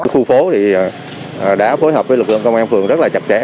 khu phố thì đã phối hợp với lực lượng công an phường rất là chặt chẽ